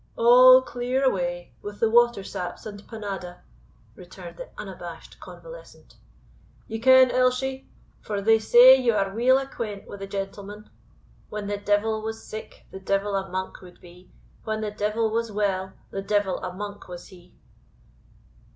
"All clear away, with the water saps and panada," returned the unabashed convalescent. "Ye ken, Elshie, for they say ye are weel acquent wi' the gentleman, "When the devil was sick, the devil a monk would be, When the devil was well, the devil a monk was he."